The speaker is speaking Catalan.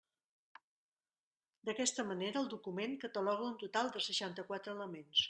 D'aquesta manera, el document cataloga un total de seixanta-quatre elements.